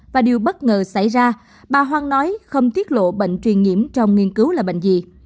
và điều bất ngờ xảy ra bà hoang nói không tiết lộ bệnh truyền nhiễm trong nghiên cứu là bệnh gì